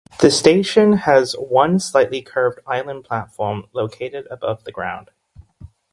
The station has one slightly curved island platform located above ground.